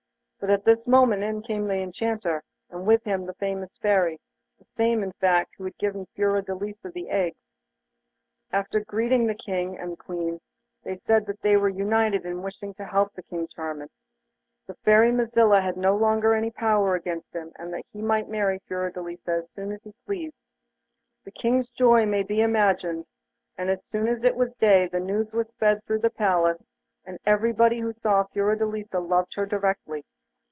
But at this moment in came the Enchanter, and with him a famous Fairy, the same in fact who had given Fiordelisa the eggs. After greeting the King and Queen, they said that as they were united in wishing to help King Charming, the Fairy Mazilla had no longer any power against him, and he might marry Fiordelisa as soon as he pleased. The King's joy may be imagined, and as soon as it was day the news was spread through the palace, and everybody who saw Fiordelisa loved her directly.